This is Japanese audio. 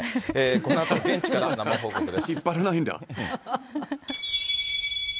このあと現地から生報告です。